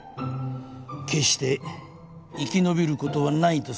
決して生き延びることはないと